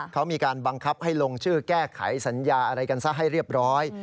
เขามีการบังคับให้ลงชื่อแก้ไขสัญญาอะไรกันซะให้เรียบร้อย